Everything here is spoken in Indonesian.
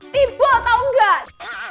tiba tau gak